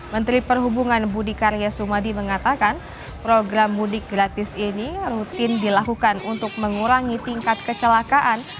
menteri perhubungan budi karya sumadi mengatakan program mudik gratis ini rutin dilakukan untuk mengurangi tingkat kecelakaan